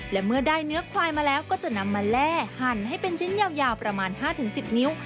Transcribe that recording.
และเมื่อได้เนื้อควายมาแล้วก็จะนำมาแร่หั่นให้เป็นชิ้นยาวประมาณ๕๑๐นิ้ว